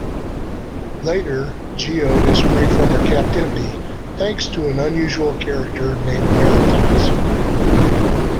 Later, Geode is free from her captivity, thanks to an unusual character named Veritas.